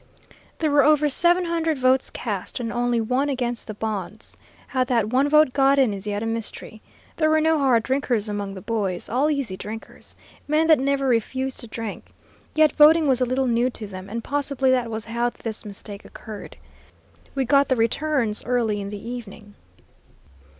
"There were over seven hundred votes cast, and only one against the bonds. How that one vote got in is yet a mystery. There were no hard drinkers among the boys, all easy drinkers, men that never refused to drink. Yet voting was a little new to them, and possibly that was how this mistake occurred. We got the returns early in the evening.